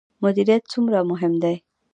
مدیریت څومره مهم دی؟